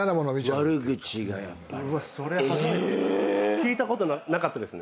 聞いたことなかったですね。